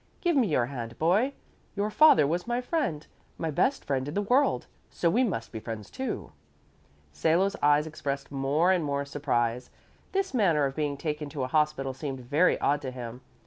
Give me your hand, boy. Your father was my friend, my best friend in the world; so we must be friends, too." Salo's eyes expressed more and more surprise. This manner of being taken to a hospital seemed very odd to him.